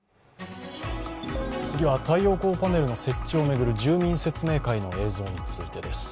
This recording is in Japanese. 次は、太陽光パネルの設置を巡る住民説明会の映像についてです。